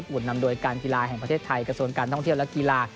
อุ่นนำโดยการกีฬาแห่งประเทศไทยกระทรวงการท่องเที่ยวและกีฬา